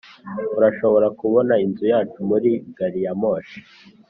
urashobora kubona inzu yacu muri gari ya moshi.